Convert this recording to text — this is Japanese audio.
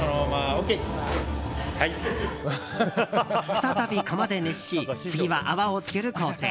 再び窯で熱し次は泡をつける工程。